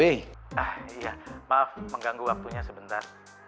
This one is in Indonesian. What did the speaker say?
ah iya maaf mengganggu waktunya sebentar